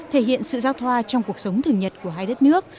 thể hiện sự giao thoa trong cuộc sống thường nhật của hai đất nước